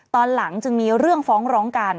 ตอนหลังจึงมีเรื่องฟ้องร้องกัน